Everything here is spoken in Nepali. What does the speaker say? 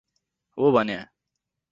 हो भन्या।